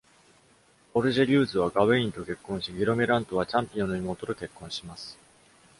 オルジェリューズはガウェインと結婚し、ギロメラントはチャンピオンの妹と結婚します